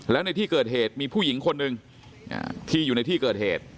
แล้วในที่เกิดเหตุมีผู้หญิงคนหนึ่งที่อยู่ในที่เกิดเหตุ